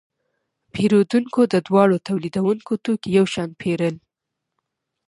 پیرودونکو د دواړو تولیدونکو توکي یو شان پیرل.